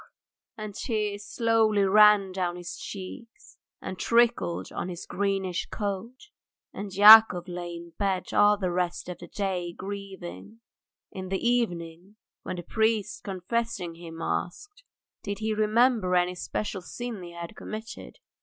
and tears slowly ran down his cheeks and trickled on his greenish coat. And Yakov lay in bed all the rest of the day grieving. In the evening, when the priest confessing him asked, Did he remember any special sin he had committed?